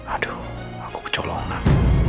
aduh aku kecolongan